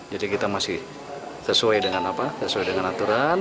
jadi kita masih sesuai dengan apa sesuai dengan aturan